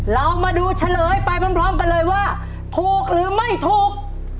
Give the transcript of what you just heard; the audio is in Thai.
เรามาดูเฉลยไปพร้อมกันเลยว่าถูกหรือไม่ถูก